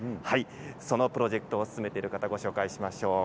そのプロジェクトを進めている方をご紹介しましょう。